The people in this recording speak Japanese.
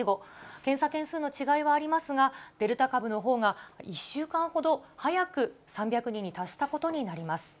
検査件数の違いはありますが、デルタ株のほうが１週間ほど早く３００人に達したことになります。